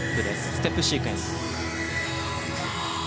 ステップシークエンス。